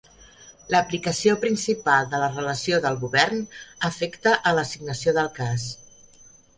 L'aplicació principal de la relació del govern afecta a l'assignació del cas.